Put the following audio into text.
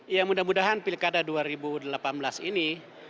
ya mudah mudahan pilkada dua ribu delapan belas ini